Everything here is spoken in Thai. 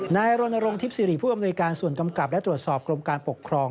นายรณรงค์สิริผู้อำนวยการส่วนกำกับและตรวจสอบกรมการปกครอง